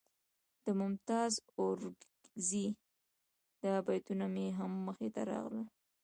د ممتاز اورکزي دا بیتونه مې هم مخې ته راغلل.